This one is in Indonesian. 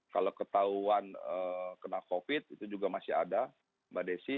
kalau ketahuan kena covid itu juga masih ada mbak desi